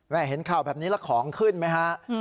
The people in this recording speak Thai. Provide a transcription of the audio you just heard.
เห็นข่าวแบบนี้แล้วของขึ้นไหมฮะ